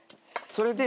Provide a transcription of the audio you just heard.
それで。